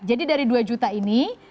jadi dari dua juta ini